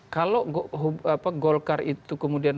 kalau golkar itu kemudian